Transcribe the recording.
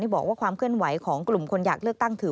บอกว่าความเคลื่อนไหวของกลุ่มคนอยากเลือกตั้งถือ